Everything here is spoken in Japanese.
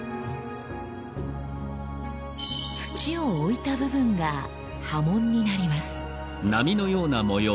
土を置いた部分が刃文になります。